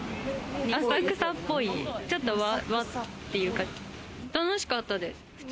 浅草っぽい、ちょっと和っていうか、楽しかったです。